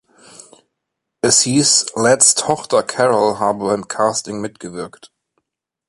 Es hieß, Ladds Tochter Carol habe beim Casting mitgewirkt.